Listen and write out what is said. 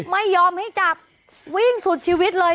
ไม่ยอมให้จับวิ่งสุดชีวิตเลย